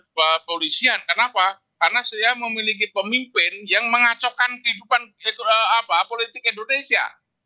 saya butuh perlindungan polisian kenapa karena saya memiliki pemimpin yang mengacaukan kehidupan politik indonesia